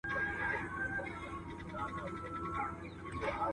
لکه باغوان چي پر باغ ټک وهي لاسونه